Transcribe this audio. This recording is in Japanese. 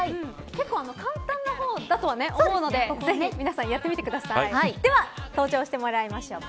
結構簡単な方だと思うのでぜひ皆さんやってみてください。では登場してもらいましょう。